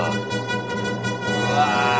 うわ！